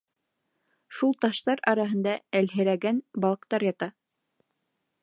Шул таштар араһында әлһерәгән балыҡтар ята.